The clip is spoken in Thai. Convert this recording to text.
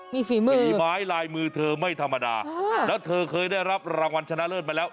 มีฝีมือฝีไม้ลายมือเธอไม่ธรรมดาแล้วเธอเคยได้รับรางวัลชนะเลิศมาแล้ว